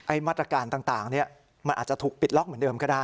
มาตรการต่างมันอาจจะถูกปิดล็อกเหมือนเดิมก็ได้